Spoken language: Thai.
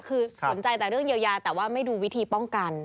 คือสนใจแต่เรื่องเยียวยาแต่ว่าไม่ดูวิธีป้องกัน